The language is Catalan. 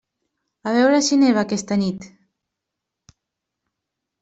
A veure si neva aquesta nit.